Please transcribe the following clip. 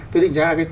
tôi định giá là